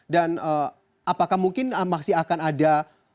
dan apakah mungkin masih akan ada